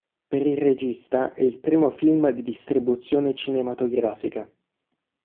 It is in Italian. Per il regista è il primo film di distribuzione cinematografica.